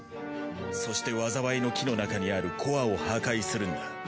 そして災いの樹の中にあるコアを破壊するんだ。